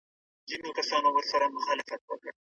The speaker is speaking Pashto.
په پلي مزل کې د چا حق نه خوړل کېږي.